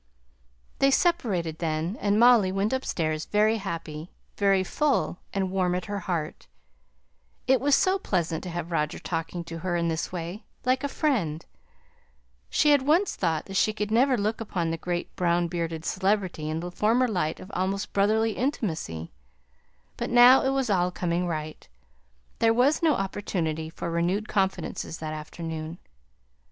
They separated then, and Molly went upstairs very happy, very full and warm at her heart; it was so pleasant to have Roger talking to her in this way, like a friend; she had once thought that she could never look upon the great brown bearded celebrity in the former light of almost brotherly intimacy, but now it was all coming right. There was no opportunity for renewed confidences that afternoon.